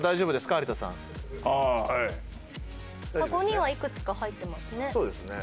カゴにはいくつか入ってますね。